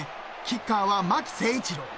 キッカーは巻誠一郎］